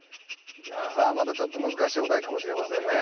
さあまたちょっと難しいお題かもしれませんね。